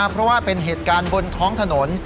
เพราะว่าเป็นเหตุการณ์บนท้องถนน